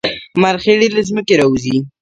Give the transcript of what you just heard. مرخیړي له ځمکې راوځي